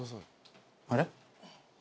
あれ？